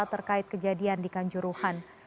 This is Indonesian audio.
terkait kejadian di kanjuruhan